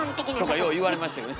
よう言われましたよね